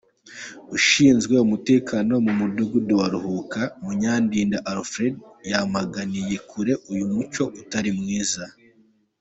Ushinzwe umutekano mu mudugudu wa Ruhuka, Munyandinda Alfred, yamaganiye kure uyu muco utari mwiza.